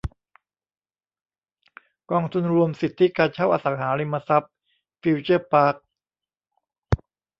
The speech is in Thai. กองทุนรวมสิทธิการเช่าอสังหาริมทรัพย์ฟิวเจอร์พาร์ค